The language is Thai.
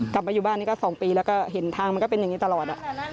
กลับมาอยู่บ้านนี้ก็๒ปีแล้วก็เห็นทางมันก็เป็นอย่างนี้ตลอด